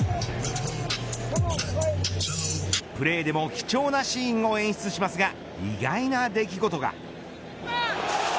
プレーでも貴重なシーンを演出しますが意外な出来事が。